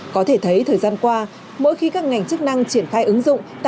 có thể thấy thời gian qua mỗi khi các ngành chức năng triển khai ứng dụng